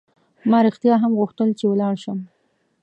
ما رښتیا هم غوښتل چې ولاړ شم.